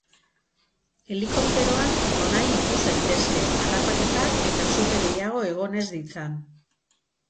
Helikopteroak nonahi ikus daitezke, harrapaketak eta sute gehiago egon ez ditzan.